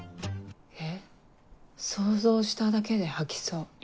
えっ想像しただけで吐きそう。